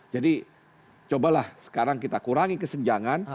jadi cobalah sekarang kita kurangi kesenjangan